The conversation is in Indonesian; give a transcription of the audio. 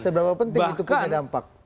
seberapa penting itu punya dampak